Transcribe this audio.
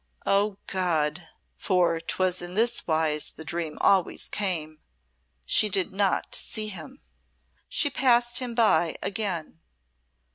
Oh, God (for 'twas in this wise the dream always came), she did not see him. She passed him by again.